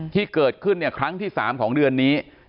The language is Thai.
ที่เกิดขึ้นครั้งที่๓ของเดือนนี้